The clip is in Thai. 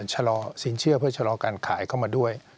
ชะลอสินเชื่อเพื่อชะลอการขายเข้ามาด้วย